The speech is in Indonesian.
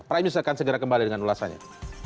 prime news akan segera kembali dengan ulasannya